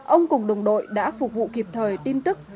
ông cùng đồng đội đã phục vụ kịp thời tin tức